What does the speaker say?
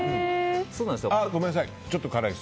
あ、ごめんなさい。